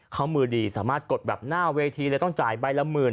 เขามือดีสามารถกดแบบหน้าเวทีเลยต้องจ่ายใบละหมื่น